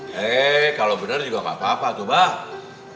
hei kalo bener juga gapapa tuh bang